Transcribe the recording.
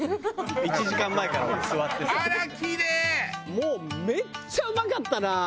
もうめっちゃうまかったな！